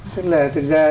tức là thực ra